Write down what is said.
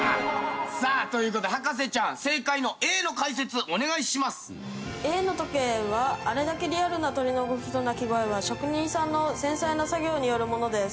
さあという事で博士ちゃんＡの時計はあれだけリアルな鳥の動きと鳴き声は職人さんの繊細な作業によるものです。